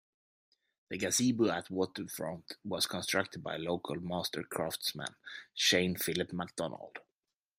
The gazebo at the waterfront was constructed by local master craftsman, Shane Phillip MacDonald.